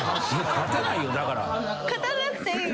勝たなくていい。